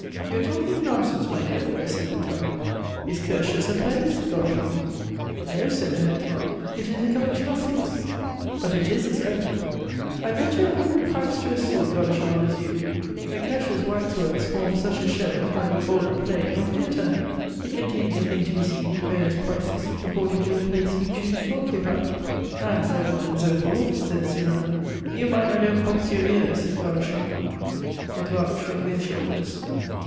"You are talking nonsense, my dear boy," said Boucard. "Is Curtius' a play?" said Godeschal. "No," said the head clerk, "it is a collection of figures but it is a spectacle." "I bet you a hundred francs to a sou," Godeschal resumed, "that Curtius' Waxworks forms such a show as might be called a play or theatre. It contains a thing to be seen at various prices, according to the place you choose to occupy." "And so on, and so forth!" said Simonnin. "You mind I don't box your ears!" said Godeschal. The clerk shrugged their shoulders.